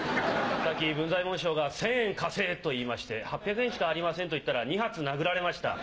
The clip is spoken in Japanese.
文左衛門師匠が、千円貸せえと言いまして、８００円しかありませんと言ったら、２発殴られました。